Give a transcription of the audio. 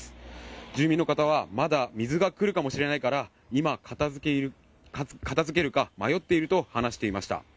住民の方はまだ水が来るかもしれないから今、片付けるか迷っていると話していました。